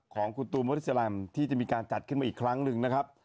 ของคุณตูนบอดี้แลมที่จะมีการจัดขึ้นมาอีกครั้งหนึ่งนะครับ